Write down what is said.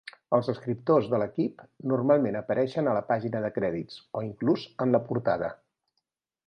Els escriptors de l'"equip" normalment apareixien a la pàgina de crèdits, o inclús en la portada.